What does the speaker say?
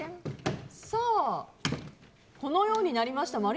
このようになりました。